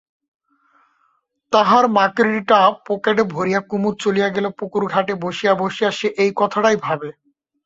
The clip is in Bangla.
তাহার মাকড়িটা পকেটে ভরিয়া কুমুদ চলিয়া গেলে পুকুরঘাটে বসিয়া বসিয়া সে এই কথাটাই ভাবে।